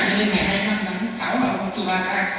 cho nên ngày hai mươi năm tháng sáu là ông chúa ba sang